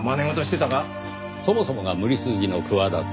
そもそもが無理筋の企て。